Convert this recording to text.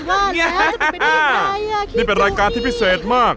นี่เป็นรายการที่พิเศษมาก